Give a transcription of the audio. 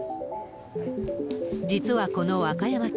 実はこの和歌山県、